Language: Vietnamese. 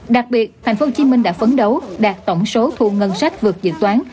đặc biệt thành phố hồ chí minh đã phấn đấu đạt tổng số thu ngân sách vượt dự toán